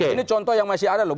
ini contoh yang masih ada loh